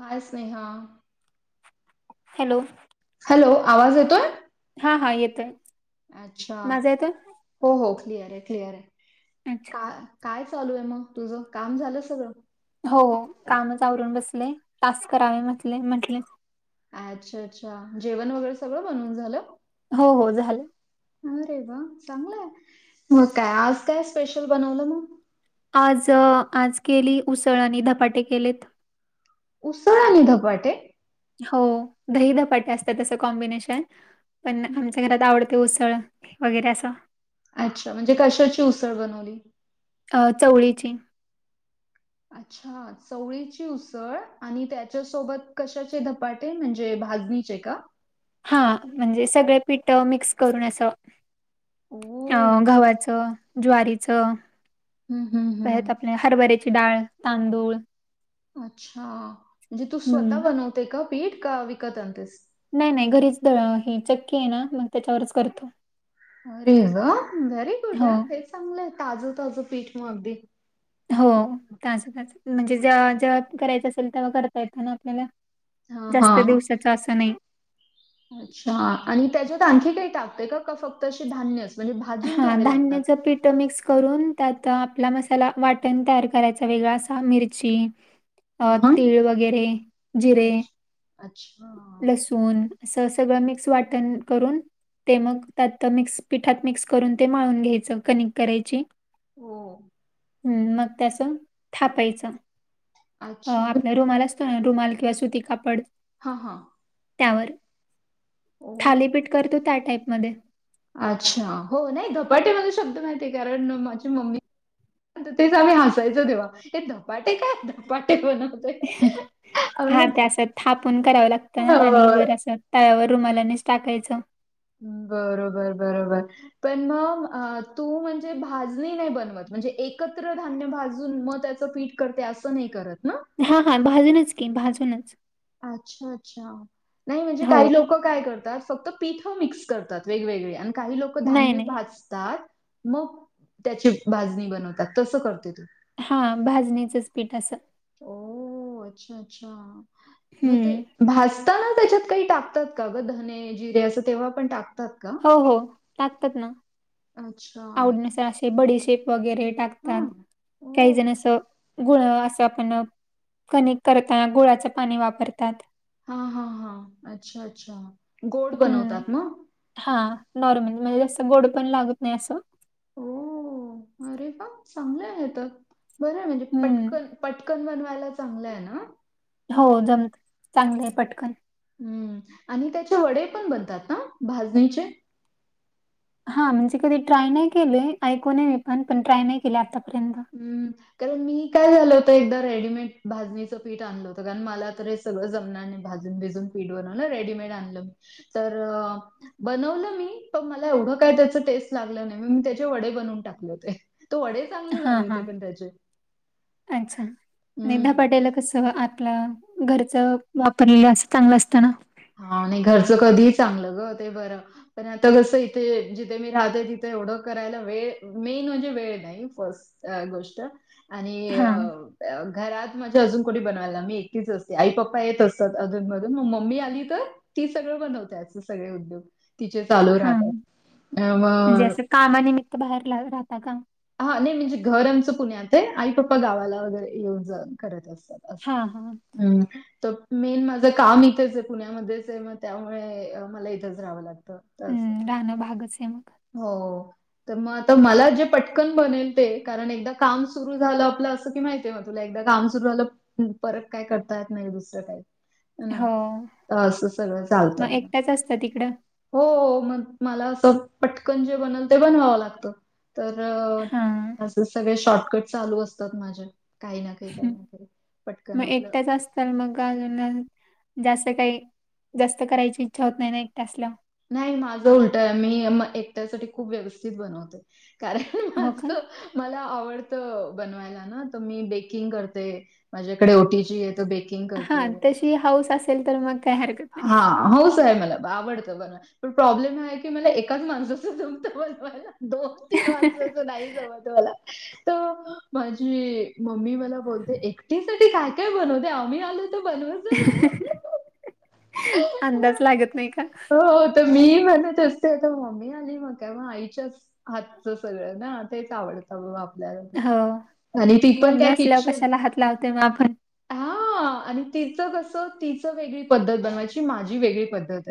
हाय ' Sneha '. Hello. Hello, आवाज येतोय? हा हा येतोय. अच्छा! माझा येतोय हो हो क्लिअर आहे, क्लिअर आहे. अच्छा का काय चालू आहे मग, तुझ काम झालं सगळं. हो कामच आवरून बसले. टास्क करावे म्हटले म्हटले. अच्छा अच्छा जेवण वगैरे सगळं बनवून झालं. हो हो झालं. अरे वा, चांगलंय मग काय आज काय स्पेशल बनवलं मग. आज आज केली उसळ आणि धपाटे केलेत. उसळ आणि धपाटे. हो दही दपाटे असतात तसं कॉम्बिनेशन पण हं. आमच्या घरात आवड ते उसळ वगैरे असं अच्छा, म्हणजे कशाची उसळ बनवली. चवळीची. अच्छा चवळीची उसळ आणि त्याच्यासोबत कशाचे धपाट ते म्हणजे भाजणीचे का? हा म्हणजे सगळे पिठ मिक्स करून असं. आ ओह! गव्हाच ज्वारीच हम् हम्. काय ते आपले हरभऱ्याचे डाळ, तांदूळ. अच्छा! म्हणजे तू हम्म स्वतः बनवते का पीठ का विकत अनतेस. नाही नाही घरीच दळण चक्की आहे ना, मग त्याच्यावरच करतो. अरे ग व्हेरी गुड हा, हो हे चांगलं आहे. ताजं ताजं पीठ मग अगदी हो. तास त म्हणजे जेव्हा जेव्हा करायचं असेल तेव्हा करता येतील ना आपल्याला हां जास्त हां. दिवसाचा असं नाही. अच्छा आणि त्याच्यात आणखी काही टाकते का का फक्त अशी धान्यच. म्हणजे भाजून हा घ्यावे लागतात? धान्यच पीठ मिक्स करून. त्यात आपला मसाला वाटण तयार करायचा वेगळा असा मिरची अ हां. तीळ वगैरे जिरे, अच्छा. अच्छा. लसून, अस सगळ मिक्स वाटण करून ते मग त्यात मिक्स पीठात मिक्स करून ते माळून घ्यायच. कनिक करायची. हो. ह् मग त्याच थापायचं अच्छा. मग आपल्या रुमाल अस तोय आणि रुमाल किंवा सुती कापड, हा, हां. त्यावर [inaudible] ओह. थालीपीठ करतो त्या टाईप मध्ये. अच्छा हो नाही धपाटे मध्ये शब्द माहिती हे कारण माझी मम्मी तेच आम्ही हसायचो तेव्हा हे धपाटे काय, धपाटे बन हा ते असत थापून करावं लागतं हो. ना आणि वर अस तव्यावर रुमालानेच टाकायचं. बरोबर, बरोबर. पण मग अ तू म्हणजे भाजणी नाही बनवत म्हणजे एकत्र धान्य भाजून मग त्याच पीठ करते असं नाही करत ना? हा हा भाजूनच की, भाजूनच. अच्छा, अच्छा नाही म्हणजे हो काही लोक लोक काय करतात फक्त पिठं मिक्स करतात वेगवेगळे आणि काही लोक नाही धान्य नाही भाजतात. मग त्याची भाजणी बनवतात तसं करते तू हा भाजणीचंच पीठ असं हो अच्छा, अच्छा म ते हम्म. भजताना त्याच्यात काही टाकतात का ग धने, जिरे असं तेव्हा पण टाकतात का? हो हो टाकतात ना. अच्छा. आवडनुसार असे बडीशेप वगैरे हां. टाकतात. काही ओह! जण असं गुळ असं आपण कणिक करताना गुळाचं पाणी वापरतात. हा हा हा अच्छा, अच्छा गोड हम्म. बनवतात ना? हा नॉर्मल म्हणजे जास्त गोड पण लागत नाही असं. हो अरे वा चांगल आहे हे तर बरं म्हणजे हम्म पटकन, पटकन बनवायला चांगलं आहे ना? हो जम चांगलय पटकन. हम्म आणि त्याचे वडे पण बनतात ना भाजणीचे? हा म्हणजे कधी ट्राय नाही केले ऐकून आहे मी पण, पण ट्राय नाही केली आतापर्यंत. हम्म, कारण मी काय झाल होतं एकदा रेडीमेड भाजणीचं पीठ आण आणलं होत कारण मला तर हे सगळं जमणार नाही भाजून भिजून पीठ बनवायला रेडीमेड आणलं होतं. तर बनवलं मी पण मला एवढं काय त्याच टेस्ट लागलं नाही म मी त्याचे वडे बनवून टाकले होते. तो वडे चांगले हां, झाले होते हां. पण त्याचे. अच्छा, नाही हम्म धपाट्याला कस आपलं घरच वापरलेलं असं चांगलं असतना. हा नाही घरचं कधीही चांगलं ग ते बरं. पण आता कसं इथे जिथे मी राहते तिथे एवढं करायला वेळ मेन म्हणजे वेळ नाही. ही फस्ट गोष्ट आणि हां, अह घरात म्हणजे अजून कोणी बनवायला मी एकटीच असते आई पप्पा येत असतात अजून मधून मग मम्मी आली तर ती सगळं बनवते असे सगळे उद्योग तिचे चालू हां. राहतात हा म्हणजे मग असं कामानिमित्त बाहेर राहता का? हा नाही म्हणजे घर आमचं पुण्यात आहे आई पप्पा गावाला वगैरे येऊन जाऊन करत असतात. हा, हा. हम्म, तर मेन माझं काम इथेच आहे पुण्यामध्येच आहे मग त्यामुळे तेव्हा मला इथंच राहावं लागत. हम् राहणं भागच आहे मग. हो हो तर मग आता मला जे पट पटकन बनेल ते कारण एकदा काम सुरू झालं आपलं असं की माहितीय मग तुला एकदा काम सुरू झालं. परत काय करता येत नाही दुसरं काही. ना हो. तर असं सगळं चालतं मग एकट्याच असता तिकडं? हो मग मला असं पटकन जे बनल ते बनवावं लागतं. तर हां. अस सगळे शॉर्टकट चालू असतात माझे. काही ना काही काही ना काही पटकन आपलं तर मग अजून अजून जास्त काही जास्त करायची इच्छा होत नाही ना एकट असल्यावर. नाही माझं उलट आहे मी एकट्यासाठी खूप व्यवस्थित बनवते. कारण हो का? माझं, मला आवडत बनवायला ना तर मी बेकिंग करते माझ्याकडे ओटी जी आहे त बेक, हा तशी हाऊस असेल तर मग काय हरकत, नाही. हा होस आहे मला आवडत, पण प्रोब्लेम हा आहे की मला एकाच माणसाच जमत बनवायला, दोन तीन माणसंंच नाही जमत अत आहे मला, तर माझी मम्मी मला बोलते एकटी साठी काय काय बनवते आम्ही आलो, तु बन, अंदाज लागत नाही का? हो, तर मी बनवत असते तर मम्मी आली म्हण का आईच्याच हातच सगळं ना तेच आवडत, टळू आपल्या हो. नतर आणि ती पण मम्मी काय असल्यावर खिचन. कशाला हात लावते मग आपण. हा आणि तिचं कसं तिचं वेगळी बनवायची माझी वेगळी पद्धत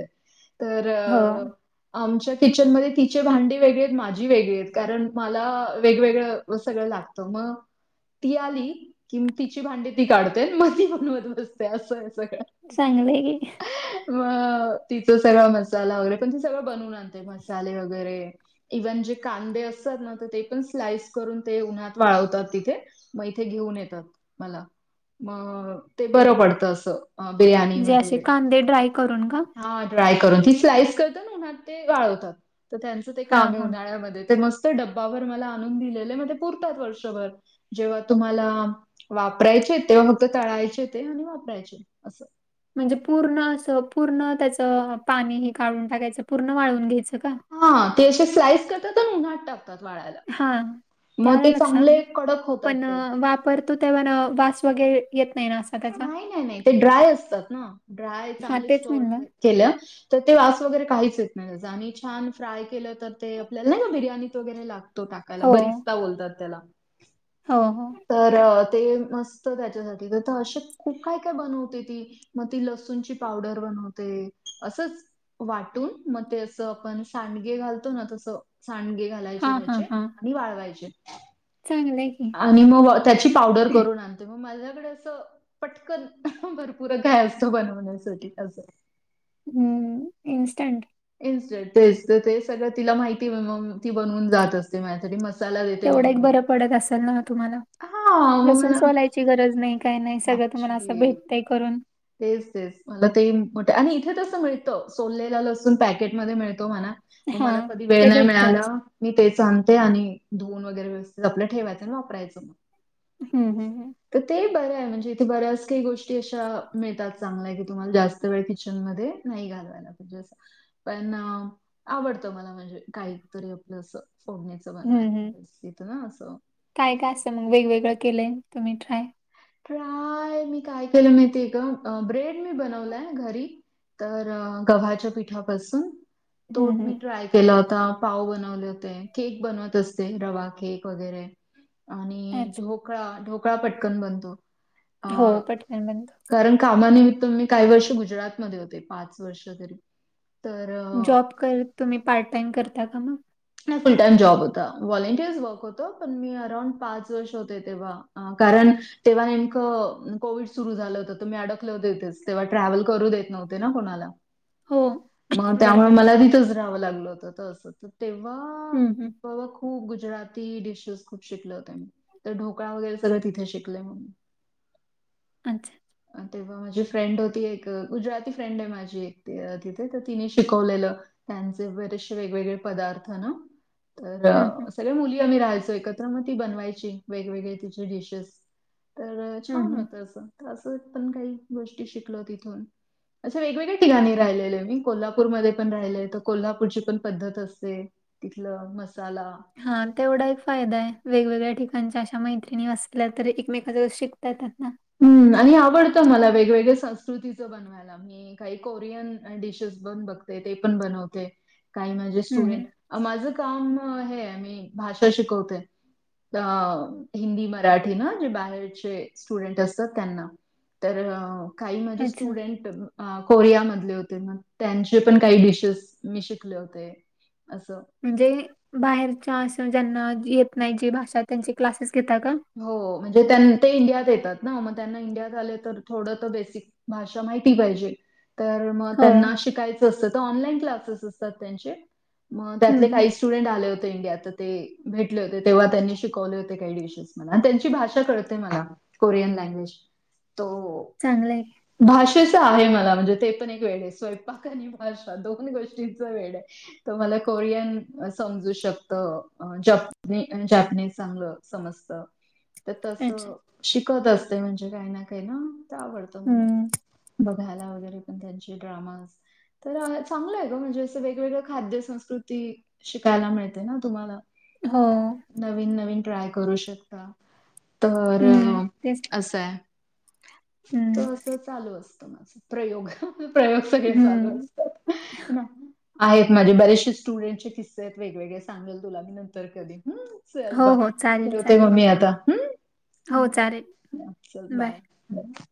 तर हो. आमच्या किचनमध्येध्ये तिचे भांडी वेगळे आहेत माझी वेगळी आहेत कारण मला वेगवेगळं सगळं लाग, तम्हा ती आली कि तिची भांडी ती काढते मजी म्हण मध बजते असं आहे सगळं, चांगलंय की, मग तिचं सगळं मसाला वगैरे पण ती सगळं बनवून आणते मसाले वगैरे, इव्हन जे कांदे असतात ना तर ते पण स्लाईस करून ते उन्हात वाळवतात तिथे? मग इथे घेऊन येतात मला म ते बर पडत अस बि म्हणजे असे कांदे ड्राय करून का? हा ट्राय करून स्लाईस उन्हात ते वाळवतात त्यां, काम हा आहे हा. उन्हाळ्यामध्ये ते मस्त डबावर मला आणून दिलेले म्हणजे पुरतात वर्षभर. जेव्हा तुम्हाला वापरायचे तेव्हा फक्त तळायचे ते आणि वापरायचे असं. म्हणजे पूर्ण असं पूर्ण त्याचं पाणी हे काढून टाकायचं पूर्ण वाळून घ्यायचं का हा ती असे स्लाइस करत उन्हटक वाला हा मग ते चांगले कडक होतात ते. परतो तेवान वास वगैरे येत नाही असं, नाही नाही नाही ते ड्राय असतात ना ड्राय हा चांगले तेच स्टोर म्हणलं. केलं तर ते वास वगैरे काहीच येत नाही जनी छान फ्राय केलं तर ते आपल्याला बिर्याणीत वगैरे लाग तो टाकायला हो बरीचदा बोलतात त्याला हो हो तर ते मस्त त्याच्यासाठी तर तर असे खूप काय काय बनवते ती. मग ती लसूणची पावडर बनवते, असच. वाटून मग तेच आपण सांडगे घालतो ना तसं सांडगे हा घालायचे त्याचे आणि वाळवायचे. चागलंय कि. आणि मग त्याची पावडर करून आणते मग माझ्या कडे असं पटकन भरपूर काय असतं बनवण्यासाठी असं. हम्म, इनस्टंड इनस्टंड तेच तर ते सगळं तिला माहितीय मग ती बनवून जात असते, माझ्यासाठी मस्त तेवढ एक बरं पडत असेल ना मग तुम्हाला, हां, मग लसूण मला सोलाय ची गरज नाही, काही नाही सगळं तुम्हाला असं भेटतय करून तेच-तेच. मला ते मं मोठं आणि इथे तसं मिळतं, सोललेलं लसून पॅकेटमध्ये मिळतो म्हणा. म हा मला कधी वेळ ते नाही मिळाला भेटतच मी तेच आणते आणि धुवून वगैरे व्यवस्थित आपलं ठेवायचं आणि वापरायचं. ह्म ह्म ह्म. तर ते बर काय म्हणजे इथे बऱ्याच काही गोष्टी अशा मिळतात चांगल्या, की तुम्हाला जास्त वेळ किचन मध्ये नाही घालवायला. पण आवडत मला, म्हणजे काहीतरी आपलं अस फोडण्या हम्म बनवाय हम्म. तिथं ना असं काय का असे ना, वेगवेगळं केलंय तुम्ही ट्राय. ट्राय मी काय केलंय माहिती का? अं ब्रेड मी बनवलंय घरी. तर गव्हाच्या पिठापासून तो हम्म मी हम्म. ट्राय केला होता. पाव बनवले होते, केक बनवत असते, रवा केक वगैरे. आणि अच्छा ढोकळा- ढोकळा पटकन बनतो. हो अ, पटकन बनतो. कारण कामानिमित्त मी काही वर्ष गुजरातमध्ये होते, पाच वर्ष तरी. तर अ, जॉब करत, तुम्ही पार्ट टाइम करता का मग? नाही फुल टाइम जॉब होता. व्हॉलेंटिअर्स वर्क होतं पण मी अराऊंड पाच वर्ष होते तेव्हा. अं कारण तेव्हा नेमकं कोविड सुरू झालं होतं. तुम्ही अडकले होते इथेच तेव्हा ट्रॅव्हल करू देत न होते ना कोणाला. हो मग त्यामुळं बरोबर मला तिथच रहावं लागल होत तसं त तेव्हा, हम्म हम्म तवा खूप गुजराती डिशेस खूप शिकलं होत मी. ते ढोकळा वगैरे सगळं तिथे शिकलेय मग. अच्छा. अ, तेव्हा माझी फ्रेंड होती, एक गुजराती फ्रेंड हे माझी एक तिथे, तर तिने शिकवलेलं. त्यांचे बरेचशे वेगवेगळे पदार्थ ना, हम्म हम्म. तर मुली आम्ही राहायचो एकत्र, मग ती बनवायची वेगवेगळे तिचे डिशेस. तर हम्म छान हम्म. होत असं, असं पण काही गोष्टी शिकलो तिथून. असे वेगवेगळ्या ठिकाणी राहिलेले मी, कोल्हापूरमध्ये पण राहिलेय, तर कोल्हापूरची पण पद्धत अस जे तिथलं मसाला हा, तेवढा एक फायदा हे. वेगवेगळ्या ठिकाणच्या अशा मैत्रिणी असल्या, तर एकमेका जवळ शिकता येतात ना. हम्म आणि आवडतं मला, वेगवेगळं संस्कृतीचं बनवायला मी काही कोरियन डिशेस पण बघते, ते पण बनवते. काही माझे हम्म हम्म स्टुडन्ट माझं काम हे हाय, मी भाषा शिकवते. अं हिंदी, मराठी ना जे बाहेरचे स्टुडंट असतात त्यांना, तर काही माझे अच्छा स्टुडंट आ कोरिया मधले होतेन. त्यांचे पण काही डिशेश मी शिकले होते. असं, म्हणजे बाहेरच्या असं ज्यांना येत नाही जी भाषा त्यांचे क्लासेस घेेता का? हो, म्हणजे त्यानं ते इंडियात येतात ना, मग त्यांना इंडियात आले तर, थोडं त बेसिक भाषा माहिती पाहिजे. तर मग हो त्यांना शिकायचं असत. त ऑनलाईन क्लासेस असतात त्यांचे. मग हम्म त्यातले हम्म काही स्टुडंट आले होते इंडियात. त ते भेटले होते. तेव्हा त्यांनी शिकवले होते काही डिशेस. मना त्यांची भाषा कळते मला कोरियन लँग्वेज. तो चांगलंय. भाषेचा आहे मला म्हणजे ते पण एक वेड हे. स्वयंपाक आणि भाषा दोन गोष्टीचा वेड आहे. त मला कोरियन समजू शकतं. अ जपनी जापनीज चांगलं समजत. त अच्छा तसं शिकत असते. म्हणजे काही ना, काही ना त आवडतं मला. हम्म. बघायला वगैरे पण त्यांचे ड्रामास. तराज चांगलं आहे ग म्हणजे असं वेगवेगळं खाद्य संस्कृती शिकायला मिळते ना तुम्हाला. हो. नवीन नवीन ट्राय करू शकता तर हं. तेच. असंय. त हं. असं चालू असतं माझ प्रयोग. प्रयोग सगळे चालू हं. अस आहेत माझे बरेचसे स्टुडंटचे किस्से आहेत वेगवेगळे सांगते. सागंल तुला मी नंतर कधी ह. हो हो. चालेल चा तेव्हा मी आता ह, चालेल. चल बाय बाय.